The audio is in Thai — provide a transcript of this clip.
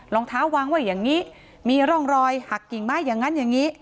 รองเท้าวางไว้อย่างนี้มีร่องรอยหักกิ่งไม้อย่างนั้นอย่างนี้